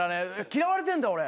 嫌われてんだ俺。